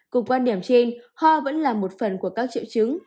cùng quan điểm trên ho vẫn là một phần của các triệu chứng